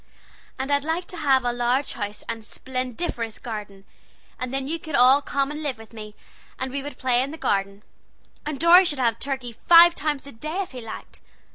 And I'd like to have a large house and a splendiferous garden, and then you could all come and live with me, and we would play in the garden, and Dorry should have turkey five times a day if he liked.